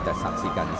tena musik banker